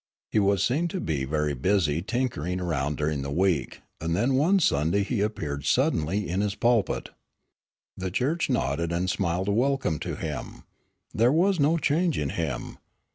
He was seen to be very busy tinkering around during the week, and then one Sunday he appeared suddenly in his pulpit. The church nodded and smiled a welcome to him. There was no change in him.